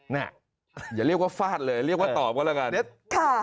อย่าเรียกว่าฟาดเลยเรียกว่าตอบก็แล้วกัน